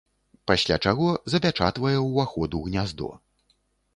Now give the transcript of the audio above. Пасля чаго запячатвае уваход у гняздо.